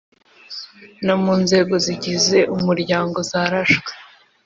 no mu nzego zigize Umuryango zarashwe